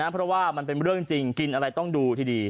เพราะว่ามันเป็นเรื่องจริงกินอะไรต้องดูทีดี